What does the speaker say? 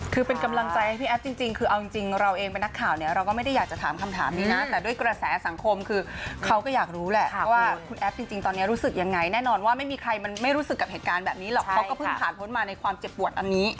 คือเป็นกำลังใจให้พี่แอฟจริงคือเอาจริงเราเองเป็นนักข่าวเนี่ยเราก็ไม่ได้อยากจะถามคำถามนี้นะแต่ด้วยกระแสสังคมคือเขาก็อยากรู้แหละว่าคุณแอฟจริงตอนนี้รู้สึกยังไงแน่นอนว่าไม่มีใครมันไม่รู้สึกกับเหตุการณ์แบบนี้หรอกเขาก็เพิ่งผ่านพ้นมาในความเจ็บปวดอันนี้